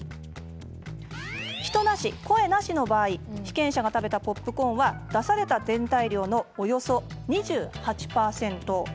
人なし、声なしの場合被験者が食べたポップコーンは出された全体量のおよそ２８％。